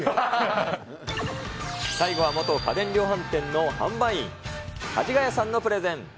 最後は元家電量販店の販売員、かじがやさんのプレゼン。